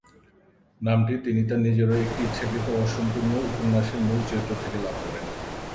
নামটি তিনি তার নিজেরই একটি ইচ্ছাকৃত অসম্পূর্ণ উপন্যাসের মূল চরিত্র থেকে লাভ করেন।